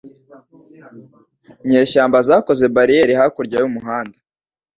Inyeshyamba zakoze bariyeri hakurya y'umuhanda.